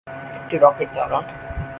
একটি রকেট দ্বারা।